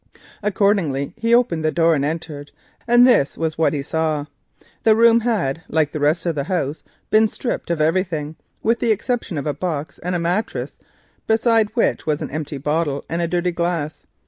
Accordingly he opened the door and entered, and this was what he saw. The room, like the rest of the house, had been stripped of everything, with the solitary exceptions of a box and a mattress, beside which were an empty bottle and a dirty glass.